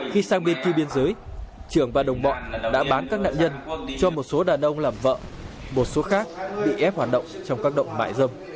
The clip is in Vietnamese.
khi sang bên kia biên giới trưởng và đồng bọn đã bán các nạn nhân cho một số đàn ông làm vợ một số khác bị ép hoạt động trong các động mại dâm